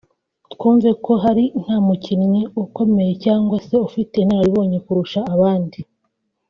twumve ko ari nta mukinnyi ukomeye cyangwa se ufite inararibonye kurusha abandi